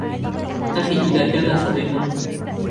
أَخِي إذَا كَانَ صَدِيقًا